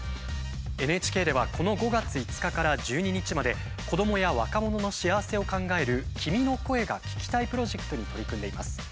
ＮＨＫではこの５月５日から１２日まで子どもや若者の幸せを考える「君の声が聴きたい」プロジェクトに取り組んでいます。